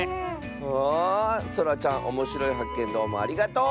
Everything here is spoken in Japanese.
ああそらちゃんおもしろいはっけんどうもありがとう！